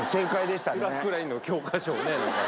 スラックラインの教科書を。